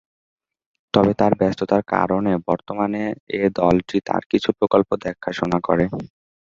তবে তার ব্যস্ততার কারণে বর্তমান এ দলটি তার কিছু প্রকল্প দেখাশোনা করে।